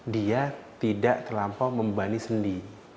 dia tidak terlampau membani sendi